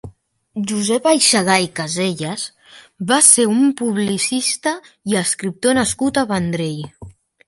Josep Aixalà i Casellas va ser un publicista i escriptor nascut al Vendrell.